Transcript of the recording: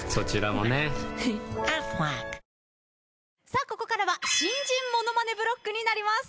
さあここからは新人ものまねブロックになります。